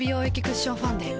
クッションファンデ